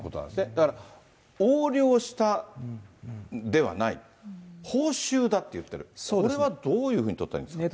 だから、横領したんではない、報酬だって言ってる、これはどういうふうに取ったらいいですか。